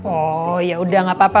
oh yaudah gapapa